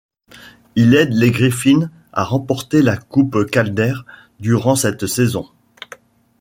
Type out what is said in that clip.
Il aide les Griffins à remporter la Coupe Calder durant cette saison.